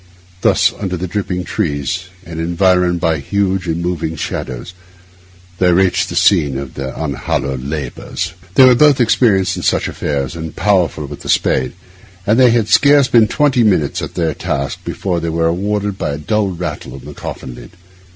Thus, under the dripping trees, and environed by huge and moving shadows, they reached the scene of their unhallowed labours. They were both experienced in such affairs, and powerful with the spade; and they had scarce been twenty minutes at their task before they were rewarded by a dull rattle on the coffin lid.